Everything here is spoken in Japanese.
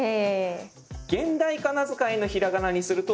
現代仮名遣いのひらがなにすると？